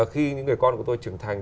khi những người con của tôi trưởng thành